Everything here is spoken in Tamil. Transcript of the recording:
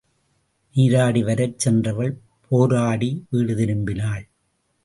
நீராடி வரச் சென்றவள் போராடி வீடு திரும்பினாள்.